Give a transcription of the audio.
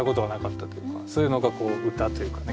そういうのが歌というかね